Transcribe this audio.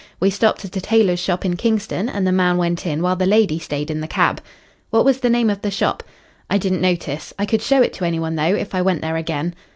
We stopped at a tailor's shop in Kingston, and the man went in while the lady stayed in the cab." "What was the name of the shop?" "I didn't notice. I could show it to any one, though, if I went there again."